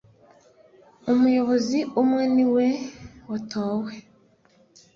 umuyobozi umwe niwe watowe.